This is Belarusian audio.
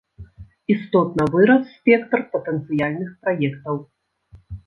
Істотна вырас спектр патэнцыяльных праектаў.